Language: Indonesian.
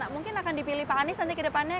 mungkin akan dipilih pak anies nanti kedepannya